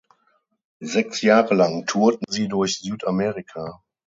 Sechs Jahre lang tourten sie durch Südamerika.